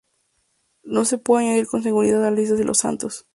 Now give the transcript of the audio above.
No se puede añadir con seguridad a la lista de los santos.